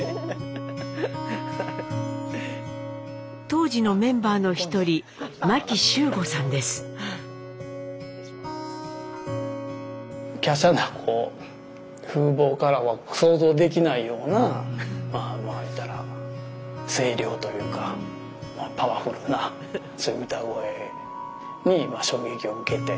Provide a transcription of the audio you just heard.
当時のメンバーの一人華奢な風貌からは想像できないようなまあまあ言うたら声量というかパワフルな歌声に衝撃を受けて。